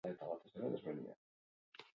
Goiz ikasi zuen oinez egiten.